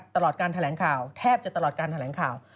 ตลอดการแถลงข่าวแทบจะตลอดการแถลงข่าว